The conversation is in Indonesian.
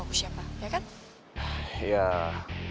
jadi itu yang mengejut siapa ya kan